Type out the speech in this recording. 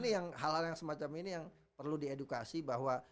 ini hal hal yang semacam ini yang perlu diedukasi bahwa